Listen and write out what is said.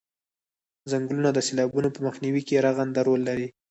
څنګلونه د سیلابونو په مخنیوي کې رغنده رول لري